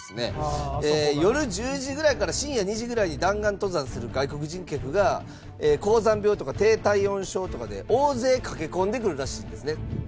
夜１０時ぐらいから深夜２時ぐらいに弾丸登山する外国人客が高山病とか低体温症とかで大勢駆け込んでくるらしいんですね。